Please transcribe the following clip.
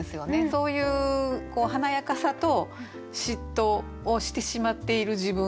そういう華やかさと嫉妬をしてしまっている自分。